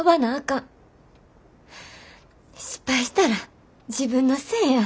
失敗したら自分のせえや。